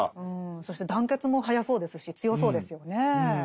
そして団結も早そうですし強そうですよねえ。